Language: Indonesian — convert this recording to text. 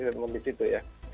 yang negatif gitu